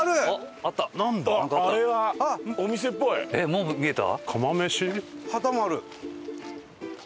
もう見えた？